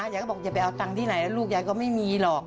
ยายก็บอกอย่าไปเอาตังค์ที่ไหนแล้วลูกยายก็ไม่มีหรอก